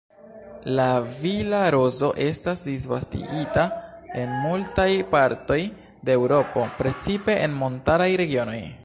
La vila rozo estas disvastigita en multaj partoj de Eŭropo precipe en montaraj regionoj.